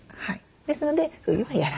ですので冬はやらない。